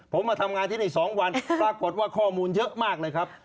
ผมมาทำงานที่นี่๒วันปรากฏว่าข้อมูลเยอะมากเลยครับ